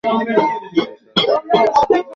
কিন্তু তার অভিষেক পর্বটি সুখকর হয়নি।